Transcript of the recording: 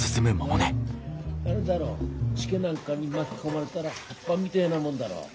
あるだろ時化なんかに巻き込まれだら葉っぱみでえなもんだろう。